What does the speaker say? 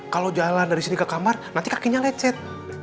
kalau jalan dari sini ke kamar nanti kakinya lecet